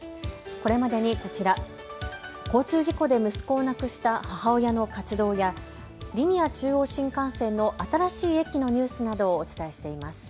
これまでにこちら、交通事故で息子を亡くした母親の活動やリニア中央新幹線の新しい駅のニュースなどをお伝えしています。